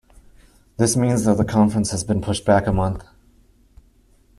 This means that the conference has been pushed back a month.